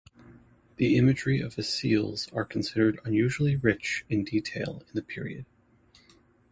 The imagery of his seals are considered unusually rich in detail in the period.